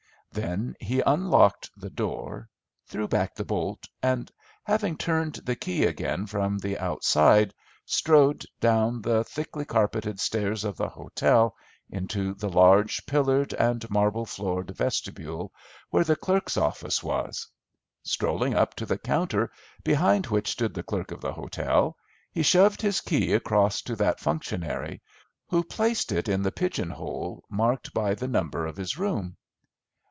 Then he unlocked the door, threw back the bolt, and, having turned the key again from the outside, strode down the thickly carpeted stairs of the hotel into the large pillared and marble floored vestibule where the clerk's office was. Strolling up to the counter behind which stood the clerk of the hotel, he shoved his key across to that functionary, who placed it in the pigeon hole marked by the number of his room.